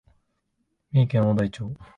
三重県大台町